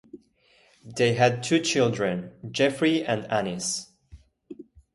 They had two children, Jeffrey and Annis.